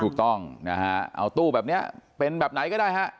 ถูกต้องนะฮะเอาตู้แบบนี้เป็นแบบไหนก็ได้ฮะ